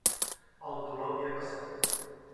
El dolor havia passat.